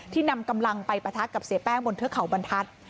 นำกำลังไปปะทะกับเสียแป้งบนเทือกเขาบรรทัศน์